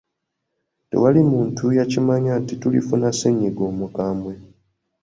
Tewali muntu yakimanya nti tulifuna ssennyiga omukambwe.